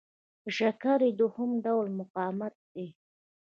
د شکرې دوهم ډول مقاومت دی.